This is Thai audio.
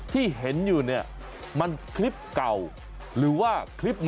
ที่เห็นอยู่เนี่ยมันคลิปเก่าหรือว่าคลิป